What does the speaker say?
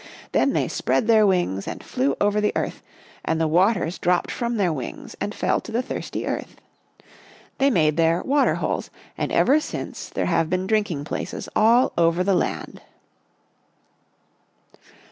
Then they spread their wings and flew over the earth, and the waters dropped from their wings and fell to the thirsty earth. They made there water holes, and ever since there have been drinking places all over the land."